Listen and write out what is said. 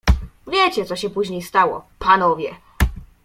"Wiecie, co się później stało, panowie."